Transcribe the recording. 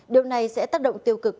điều này sẽ tác động tiêu cực